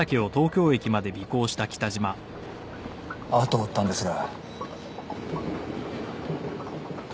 あとを追ったんですが。